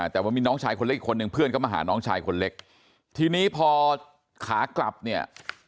แต่ว่ามีน้องชายคนเล็กอีกคนนึงเพื่อนก็มาหาน้องชายคนเล็กทีนี้พอขากลับเนี่ย